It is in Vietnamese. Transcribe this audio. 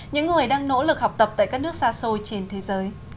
những người đang nỗ lực học tập tại các nước xa xôi trên thế giới